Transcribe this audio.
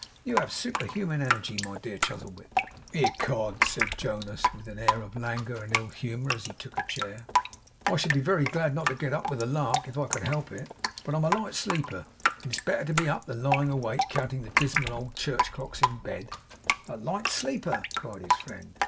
You have superhuman energy, my dear Chuzzlewit!' 'Ecod!' said Jonas, with an air of langour and ill humour, as he took a chair, 'I should be very glad not to get up with the lark, if I could help it. But I am a light sleeper; and it's better to be up than lying awake, counting the dismal old church clocks, in bed.' 'A light sleeper!' cried his friend.